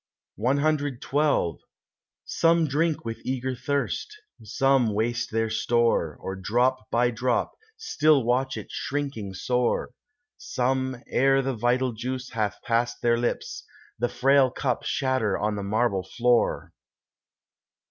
CXII Some drink with eager thirst; some waste their store, Or drop by drop still watch it shrinking sore; Some, ere the vital juice hath passed their lips, The frail cup shatter on the marble floor.